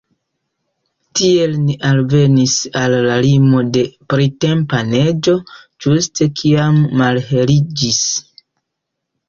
Tiel ni alvenis al la limo de printempa neĝo, ĝuste kiam malheliĝis.